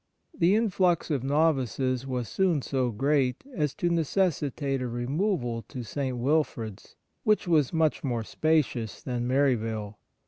The influx of novices was soon so great as to necessitate a removal to St. Wilfrid's, which was much more spacious than IMaryvale.